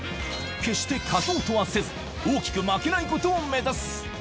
決して勝とうとはせず、大きく負けないことを目指す。